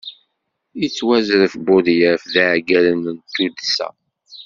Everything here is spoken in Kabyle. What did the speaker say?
Yettwazref Budyaf d iɛeggalen n tuddsa-a.